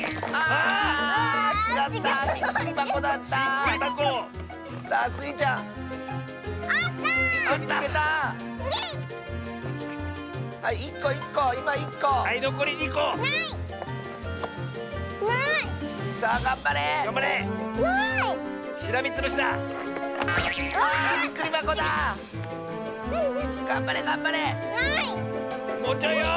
おわっちゃうよ！